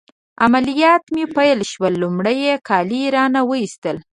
عملیات مې پیل شول، لمړی يې کالي رانه وایستل.